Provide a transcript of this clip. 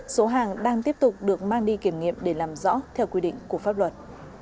số hàng đang tiếp tục được mang đi kiểm nghiệm để làm rõ theo quy định của pháp luật